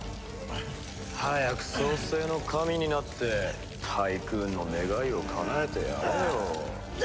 早く創世の神になってタイクーンの願いをかなえてやれよ。